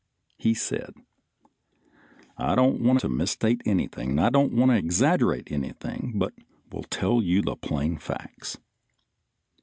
He said: I don't want to misstate anything, and I don't want to exaggerate anything, but will tell you the plain facts.